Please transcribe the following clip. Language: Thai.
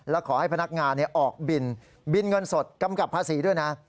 และขอให้พนักงานออกบินบินเงินสดกำกับภาษีด้วยนะ